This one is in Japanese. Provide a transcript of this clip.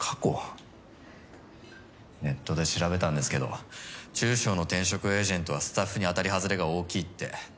ネットで調べたんですけど中小の転職エージェントはスタッフに当たり外れが大きいって。